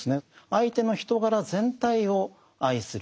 相手の人柄全体を愛する。